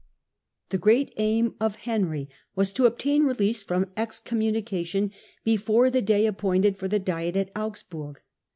The great aim of Henry was to obtain release from ex communication before the day appointed for the diet at Henry seta Augsburg.